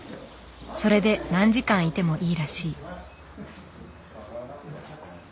それで何時間いてもいいらしい。